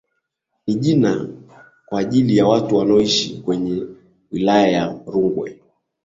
ni jina kwa ajili ya watu wanaoishi kwenye wilaya ya Rungwe